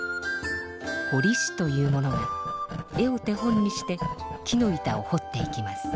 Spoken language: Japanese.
ほりしという者が絵を手本にして木の板をほっていきます。